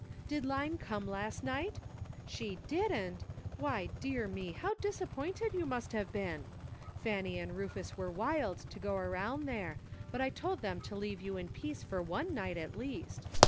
"Did Line come last night? She didn't! Why, dear me, how disappointed you must have been. Fanny and Rufus were wild to go around there, but I told them to leave you in peace for one night, at least.